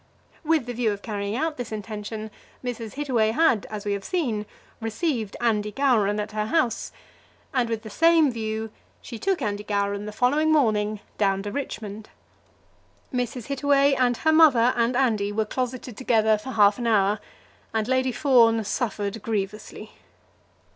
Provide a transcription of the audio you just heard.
With the view of carrying out this intention, Mrs. Hittaway had, as we have seen, received Andy Gowran at her own house; and with the same view she took Andy Gowran the following morning down to Richmond. Mrs. Hittaway, and her mother, and Andy were closeted together for half an hour, and Lady Fawn suffered grievously.